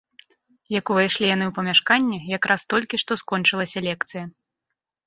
Як увайшлі яны ў памяшканне, якраз толькі што скончылася лекцыя.